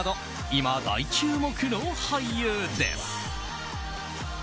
今、大注目の俳優です。